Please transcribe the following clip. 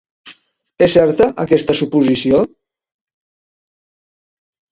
És certa, aquesta suposició?